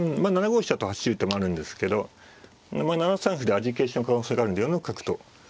７五飛車と走る手もあるんですけど７三歩で味消しの可能性があるんで４六角と。